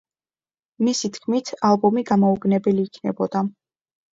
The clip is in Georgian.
მისი თქმით, ალბომი გამაოგნებელი იქნებოდა.